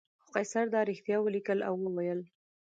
خو قیصر دا رښتیا ولیکل او وویل.